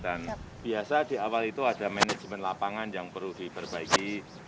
dan biasa di awal itu ada manajemen lapangan yang perlu diperbaiki